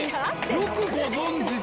よくご存じで。